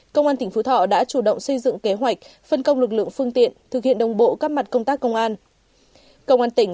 công an tỉnh phú thọ đã chủ động xây dựng kế hoạch phân công lực lượng phương tiện